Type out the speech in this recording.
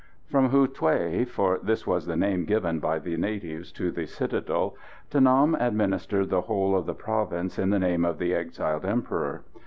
From Hou Thué for this was the name given by the natives to the citadel De Nam administered the whole of the province in the name of the exiled Emperor.